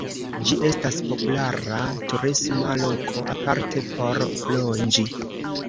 Ĝi estas populara turisma loko, aparte por plonĝi.